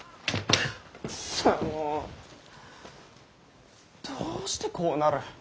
くそぉどうしてこうなる？